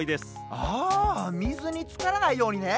あみずにつからないようにね！